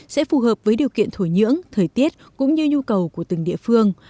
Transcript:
sẽ phù hợp với điều kiện thổi nhưỡng thời tiết cũng như nhu cầu của từng địa phương